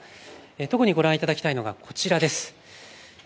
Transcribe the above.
特にご覧いただきたいのがこちらです。